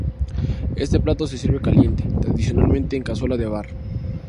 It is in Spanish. Este plato se sirve caliente, tradicionalmente en cazuela de barro.